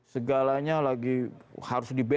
segalanya lagi harus di bela